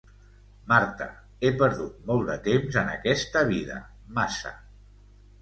Marta, he perdut molt de temps en aquesta vida, massa.